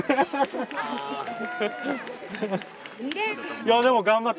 いやでも頑張った。